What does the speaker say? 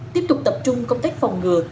tiếp tục tập trung công tác phòng ngừa